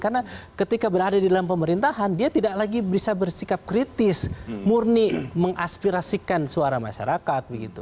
karena ketika berada di dalam pemerintahan dia tidak lagi bisa bersikap kritis murni mengaspirasikan suara masyarakat